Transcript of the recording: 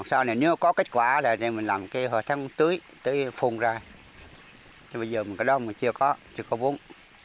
nếu có kết quả thì mình làm hội thăm tưới tưới phung ra bây giờ mình có đông chưa có bún